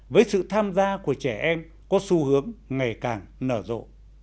với sự tham gia của trẻ em có xu hướng ngày càng nở rộ